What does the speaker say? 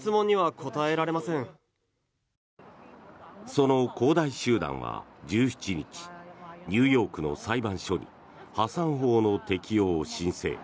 その恒大集団は１７日ニューヨークの裁判所に破産法の適用を申請。